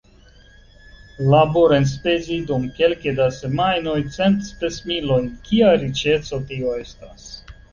Laborenspezi dum kelke da semajnoj cent spesmilojn -- kia riĉeco tio estas!